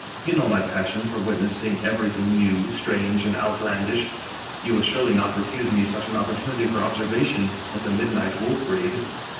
You know my passion for wit nessing everything new, strange, and outlandish. You will surely not refuse me such an opportunity for observation as a midnight wolf raid.